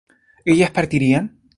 ¿ellas partirían?